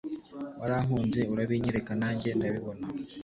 warankunze urabinyereka nanjye ndabibona